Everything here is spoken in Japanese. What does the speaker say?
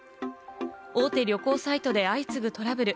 大手旅行サイトで相次ぐトラブル。